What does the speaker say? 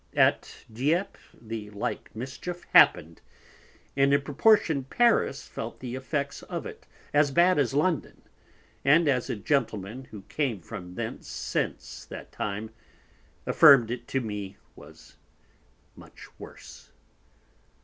At Diepe the like mischief happened, and in proportion Paris felt the effects of it, as bad as London, and as a Gentleman who came from thence since that time, affirmed it to me it was much worse.